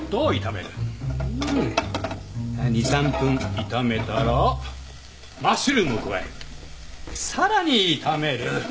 ２３分炒めたらマッシュルームを加えさらに炒める。